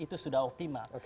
itu sudah optimal